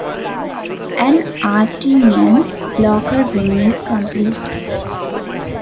An Artinian local ring is complete.